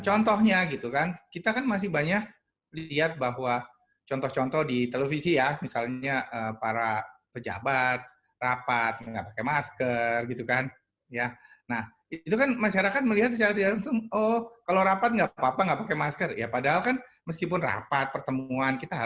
ada pass pashtromnya disediakan pemilik kuning lagi adanya per depth the